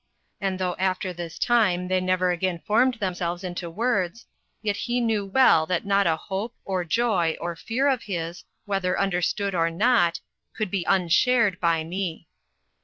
And though after this time they never again formed themselves into words, yet he knew well that not a hope, or joy, or fear of his, whether understood or not, could be unshared by me.